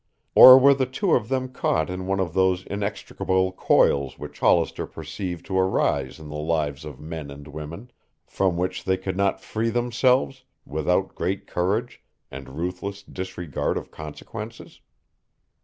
Or were the two of them caught in one of those inextricable coils which Hollister perceived to arise in the lives of men and women, from which they could not free themselves without great courage and ruthless disregard of consequences?